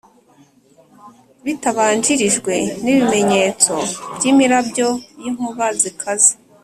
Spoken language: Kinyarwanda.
bitabanjirijwe n’ibimenyetso by’imirabyo y’inkuba zikaze.